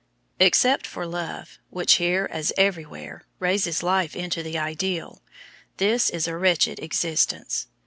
Except for love, which here as everywhere raises life into the ideal, this is a wretched existence.